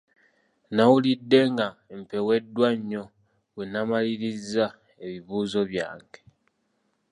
Nawulidde nga mpeweddwa nnyo bwe nnamalirizza ebibuuzo byange .